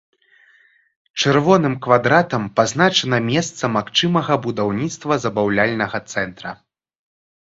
Чырвоным квадратам пазначана месца магчымага будаўніцтва забаўляльнага цэнтра.